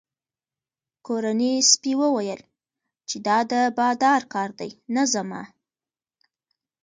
کورني سپي وویل چې دا د بادار کار دی نه زما.